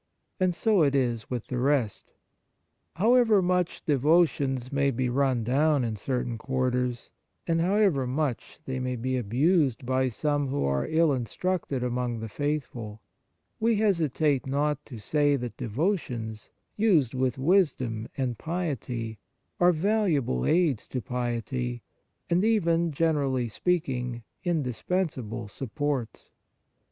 And so it is with the rest. However much devotions may be run down in certain quarters, and however much they may be abused by some who are ill instructed among the faithful, we hesitate not to say that devotions, used with wisdom and piety, are valuable aids to piety, and even, generally speaking, indispens able supports.